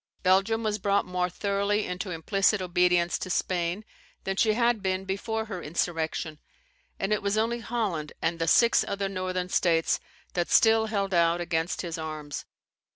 Belgium was brought more thoroughly into implicit obedience to Spain than she had been before her insurrection, and it was only Holland and the six other Northern States that still held out against his arms.